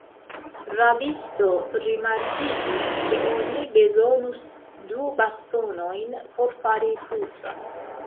Rabisto rimarkigis, ke oni bezonus du bastonojn por fari krucon.